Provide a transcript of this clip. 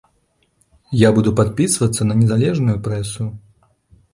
Я буду падпісвацца на незалежную прэсу.